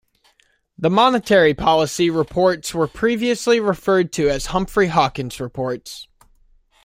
The Monetary Policy Reports were previously referred to as Humphrey-Hawkins reports.